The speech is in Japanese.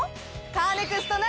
カーネクストは。